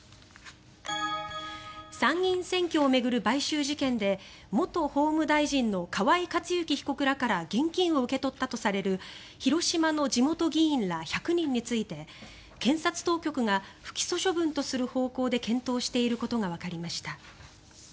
参議院選挙を巡る買収事件で元法務大臣の河井克行被告らから現金を受け取ったとされる広島の地元議員ら１００人について検察当局が不起訴処分とする方向で検討していることがわかりました。